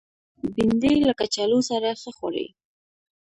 بېنډۍ له کچالو سره ښه خوري